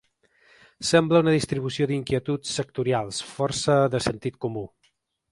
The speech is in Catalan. Sembla una distribució d’inquietuds sectorials, força de sentit comú.